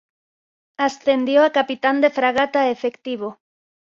Ascendió a capitán de fragata efectivo.